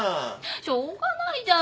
しょうがないじゃん。